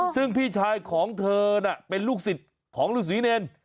ซึ่งพี่ชายของเธอน่ะเป็นลูกศิษย์ของฤษีเนร